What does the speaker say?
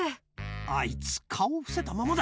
あいつ、顔を伏せたままだ。